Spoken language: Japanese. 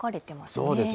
そうですね。